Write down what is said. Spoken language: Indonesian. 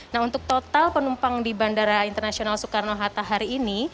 nah untuk total penumpang di bandara internasional soekarno hatta hari ini